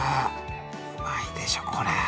うまいでしょこれ。